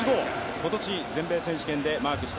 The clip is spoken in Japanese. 今年、全米選手権でマークしました。